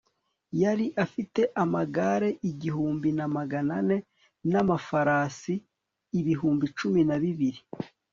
yari afite amagare igihumbi na magana ane, n'amafarasi ibihumbi cumi na bibiri